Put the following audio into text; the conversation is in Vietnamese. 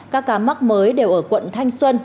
các ca mắc mới đều ở quận thanh xuân